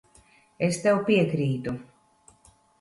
Es tev piekrītu.